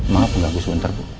maafin gak bisa sebentar bu